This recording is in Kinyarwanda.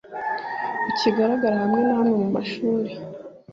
bukigaragara hamwe na hamwe mu mashuri